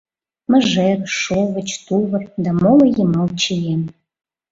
Мыжер, шовыч, тувыр да моло йымал чием.